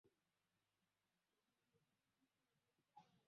Kifo chake ni pigo kubwa kwa wote lakini zaidi ni wanamziki wa kizazi kipya